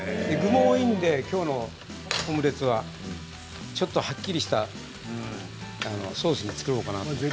具も多いのできょうのオムレツはちょっとはっきりしたソースを作ろうかなと。